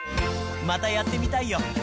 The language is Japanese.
またやってみたいよ。